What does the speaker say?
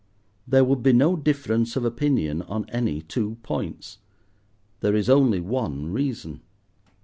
There would be no difference of opinion on any two points: there is only one reason.